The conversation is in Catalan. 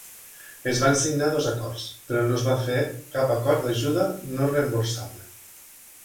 Es van signar dos acords, però no es va fer cap acord d'ajuda no reemborsable.